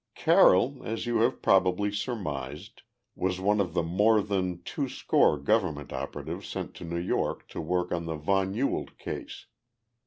Carroll, as you have probably surmised, was one of the more than twoscore Government operatives sent to New York to work on the von Ewald case.